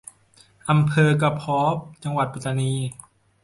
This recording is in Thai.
อำเภอกะพ้อ จังหวัดปัตตานี